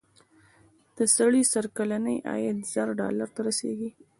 د سړي سر کلنی عاید زر ډالرو ته رسېږي.